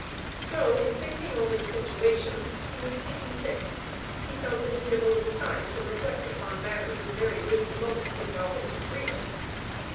So in thinking over the situation, he was "taken sick." He felt the need of a little time to reflect upon matters of very weighty moment involving his freedom.